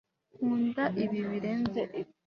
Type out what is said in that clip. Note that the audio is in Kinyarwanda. Nkunda ibi birenze ibyo